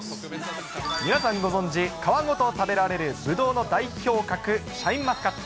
皆さんご存じ、皮ごと食べられるブドウの代表格、シャインマスカット。